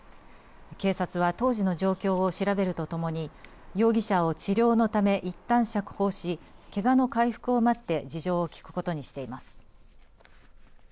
警察は当時の状況を調べるとともに容疑者を治療のためいったん釈放しけがの回復を待って事情を聞くことにしています。